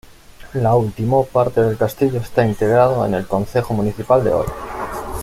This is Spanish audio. La último parte del castillo está integrado en el concejo municipal de hoy.